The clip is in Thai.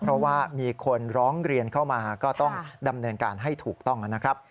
เพราะว่ามีคนร้องเรียนเข้ามาก็ต้องดำเนินการให้ถูกต้องนะครับ